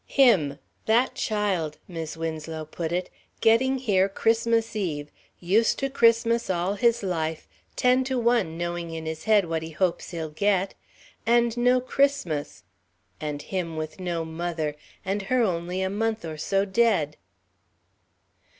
"Him that child," Mis' Winslow put it, "getting here Christmas Eve, used to Christmas all his life, ten to one knowing in his head what he hopes he'll get. And no Christmas. And him with no mother. And her only a month or so dead."